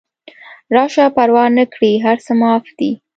راشه پروا نکړي هر څه معاف دي